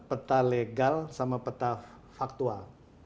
peta legal sama peta faktual